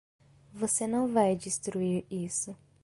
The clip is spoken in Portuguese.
Você não vai destruir isso!